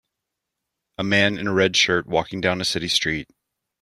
A man in a red shirt walking down a city street.